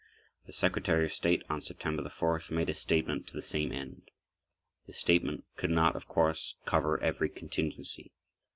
The Secretary [pg 16]of State on September 4th made a statement to the same end. This statement could not, of course, cover every contingency.